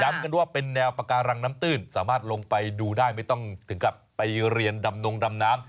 กันว่าเป็นแนวปาการังน้ำตื้นสามารถลงไปดูได้ไม่ต้องถึงกลับไปเรียนดำนงดำน้ำ